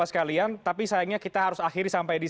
ada alamatnya dan pertanggung jawabannya